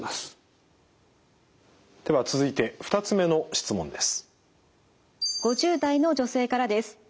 では続いて２つ目の質問です。